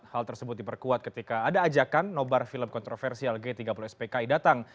hal tersebut diperkuat ketika ada ajakan nobar film kontroversial g tiga puluh spki datang